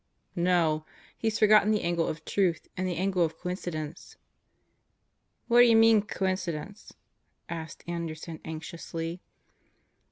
"No. He's forgotten the angle of truth and the angle of coincidence." "Whaddya mean 'coincidence'?" asked Anderson anxiously.